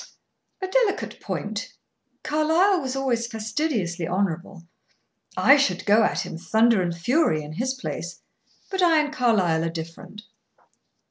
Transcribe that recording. A delicate point. Carlyle was always fastidiously honorable. I should go at him, thunder and fury, in his place; but I and Carlyle are different."